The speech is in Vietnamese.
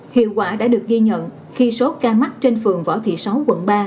hiệu quả đã được ghi nhận khi số ca mắc trên phường võ thị sáu quận ba